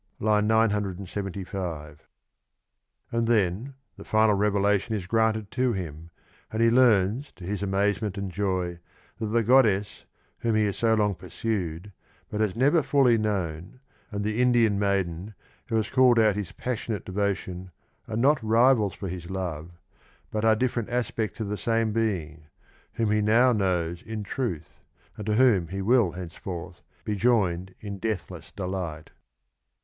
(I\'. 975) And then the final revelation is granted tc him, and he teari: s to hio amazement and joy that the goddess whom hvv ha^ so long pursued, but has never fully known, and the Indian maiden who has called out his passionate devotion, aic not rivals for his love, but are difterent aspects of the same being, v hom he now knows in truth, and to Vv Qom he will henceforth be joined in deathless deJio ht.